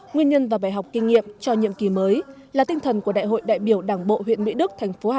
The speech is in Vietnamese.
nguyên nhân và bài học kinh nghiệm cho nhiệm kỳ mới là tinh thần của đại hội đại biểu đảng bộ huyện mỹ đức